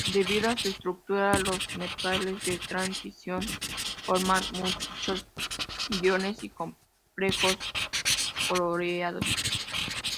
Debido a su estructura, los metales de transición forman muchos iones y complejos coloreados.